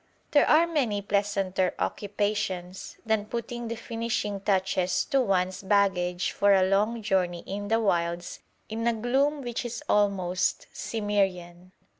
There are many pleasanter occupations than putting the finishing touches to one's baggage for a long journey in the wilds in a gloom which is almost Cimmerian.